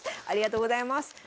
ありがとうございます。